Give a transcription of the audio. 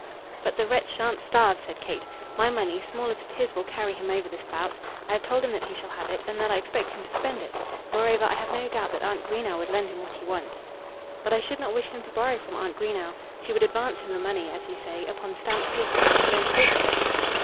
"But the wretch shan't starve," said Kate. "My money, small as it is, will carry him over this bout. I have told him that he shall have it, and that I expect him to spend it. Moreover, I have no doubt that Aunt Greenow would lend me what he wants." "But I should not wish him to borrow from Aunt Greenow. She would advance him the money, as you say, upon stamped paper, and then talk of it."